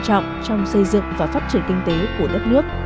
trọng trong xây dựng và phát triển kinh tế